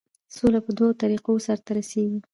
سوله په دوو طریقو سرته رسیږي.